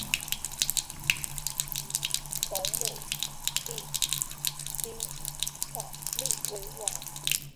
同母弟金晃立为王。